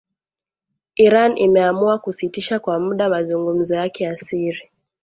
Iran imeamua kusitisha kwa muda mazungumzo yake ya siri